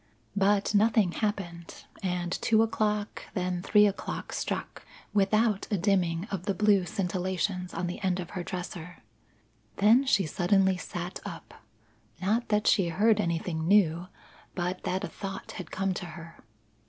But nothing happened, and two o'clock, then three o'clock struck, without a dimming of the blue scintillations on the end of her dresser. Then she suddenly sat up. Not that she heard anything new, but that a thought had come to her.